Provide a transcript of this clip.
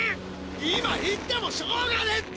今行ってもしょうがねえって！